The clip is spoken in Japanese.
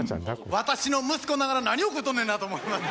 私の息子ながら何を食うとんねんなと思いました